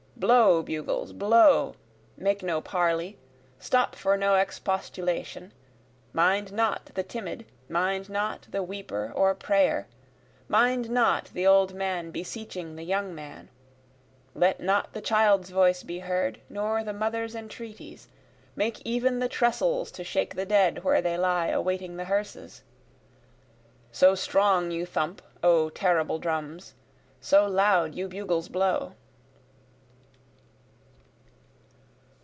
blow! bugles! blow! Make no parley stop for no expostulation, Mind not the timid mind not the weeper or prayer, Mind not the old man beseeching the young man, Let not the child's voice be heard, nor the mother's entreaties, Make even the trestles to shake the dead where they lie awaiting the hearses, So strong you thump O terrible drums so loud you bugles blow.